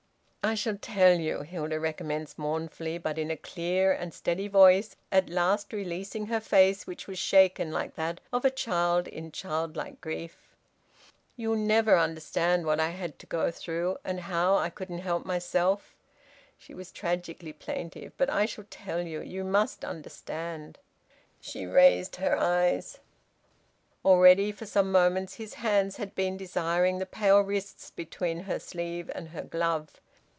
"I shall tell you," Hilda recommenced mournfully, but in a clear and steady voice, at last releasing her face, which was shaken like that of a child in childlike grief. "You'll never understand what I had to go through, and how I couldn't help myself" she was tragically plaintive "but I shall tell you... You must understand!" She raised her eyes. Already for some moments his hands had been desiring the pale wrists between her sleeve and her glove.